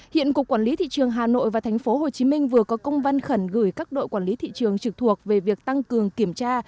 hiện cục quản lý thị trường hà nội và thành phố hồ chí minh vừa có công văn khẩn gửi các đội quản lý thị trường trực thuộc về việc tăng cường kiểm tra